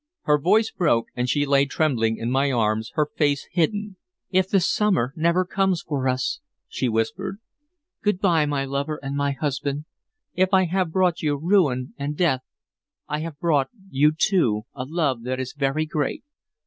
Her voice broke, and she lay trembling in my arms, her face hidden. "If the summer never comes for us" she whispered. "Good by, my lover and my husband. If I have brought you ruin and death, I have brought you, too, a love that is very great.